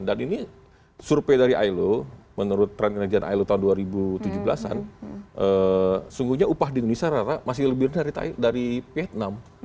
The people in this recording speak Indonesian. dan ini survei dari ilo menurut trend energi ilo tahun dua ribu tujuh belas an sungguhnya upah di indonesia rata rata masih lebih rendah dari vietnam